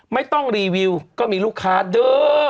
ไม่ต้องรีวิวก็มีลูกค้าเด้อ